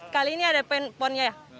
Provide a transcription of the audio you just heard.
kali ini ada penponnya ya